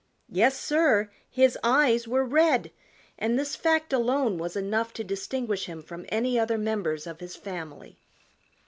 Yes, sir, his eyes were red and this fact alone was enough to distinguish him from any other members of his family.